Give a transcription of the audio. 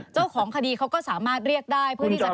เจ้าของคดีเขาก็สามารถเรียกได้เพื่อที่จะ